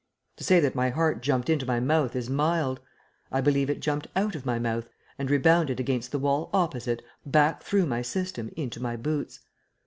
To say that my heart jumped into my mouth is mild. I believe it jumped out of my mouth and rebounded against the wall opposite back though my system into my boots.